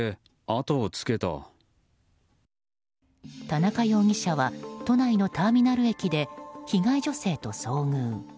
田中容疑者は都内のターミナル駅で被害女性と遭遇。